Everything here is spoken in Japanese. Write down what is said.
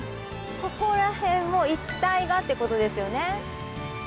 ここらへんも一帯がってことですよね。